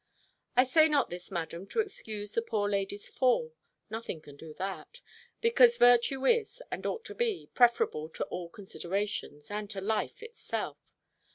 I say not this, Madam, to excuse the poor lady's fall; nothing can do that; because virtue is, and ought to be, preferable to all considerations, and to life itself.